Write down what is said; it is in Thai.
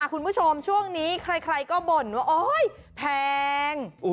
คุณผู้ชมช่วงนี้ใครก็บ่นว่าโอ๊ยแพง